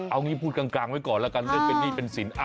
เอางี้พูดกลางไว้ก่อนแล้วกันเรื่องเป็นหนี้เป็นสิน